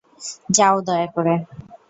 যাও দয়া করে।